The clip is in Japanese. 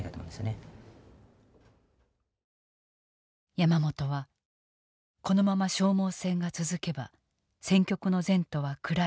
山本はこのまま消耗戦が続けば戦局の前途は暗いと語っていた。